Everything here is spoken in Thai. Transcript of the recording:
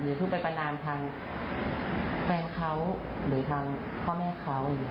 อย่าเพิ่งไปประนามทางแฟนเขาหรือทางพ่อแม่เขาอย่างนี้ค่ะ